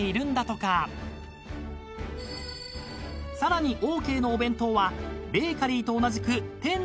［さらにオーケーのお弁当はベーカリーと同じく］